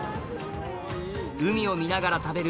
海を見ながら食べる